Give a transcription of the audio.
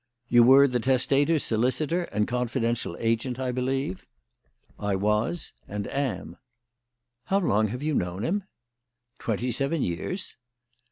"You were the testator's solicitor and confidential agent, I believe?" "I was and am." "How long have you known him?" "Twenty seven years."